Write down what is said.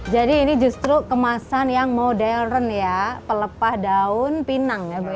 jadi ini justru kemasan yang modern ya pelepah daun pinang ya bu